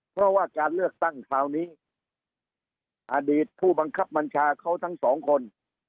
เพราะว่าการเลือกตั้งคราวนี้อดีตผู้บังคับบัญชาเขาทั้งสองคน